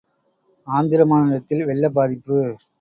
ஆந்திர மாநிலத்தில் வெள்ளப் பாதிப்பு!